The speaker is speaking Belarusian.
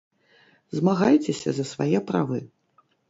Змагайцеся за свае правы.